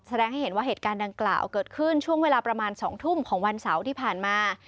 แสดงให้เห็นว่าเหตุการณ์ดังกล่าวเกิดขึ้นช่วงเวลาประมาณ๒ทุ่มของวันเสาร์ที่ผ่านมา